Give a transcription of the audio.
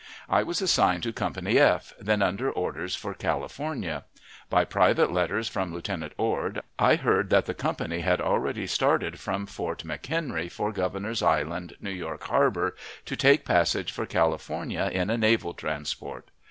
I was assigned to Company F, then under orders for California. By private letters from Lieutenant Ord, I heard that the company had already started from Fort McHenry for Governor's Island, New York Harbor, to take passage for California in a naval transport.